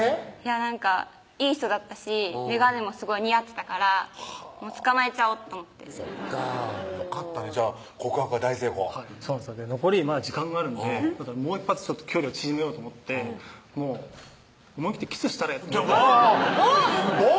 なんかいい人だったし眼鏡もすごい似合ってたからつかまえちゃおうと思ってそっかよかったねじゃあ告白は大成功そうなんですけど残りまだ時間があるのでもう一発距離を縮めようと思ってもう思いきってキスしたれとおぉ！